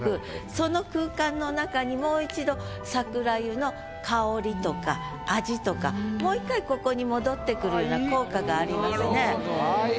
その空間の中にもう一度桜湯の香りとか味とかもう一回ここに戻ってくるような効果がありますね。